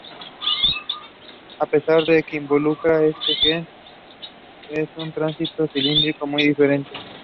Information about the loot in the shipwreck is not public.